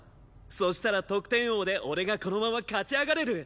そしたら得点王で俺がこのまま勝ち上がれる。